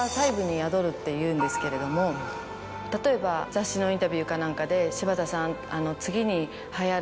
例えば雑誌のインタビューか何かで「柴田さん」。